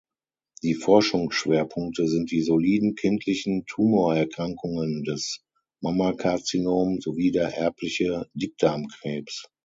Die Forschungsschwerpunkte sind die soliden kindlichen Tumorerkrankungen, das Mammakarzinom sowie der erbliche Dickdarmkrebs.